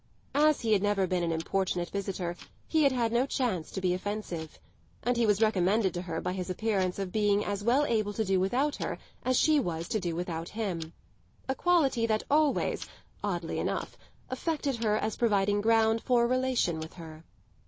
As he had never been an importunate visitor he had had no chance to be offensive, and he was recommended to her by his appearance of being as well able to do without her as she was to do without him a quality that always, oddly enough, affected her as providing ground for a relation with her.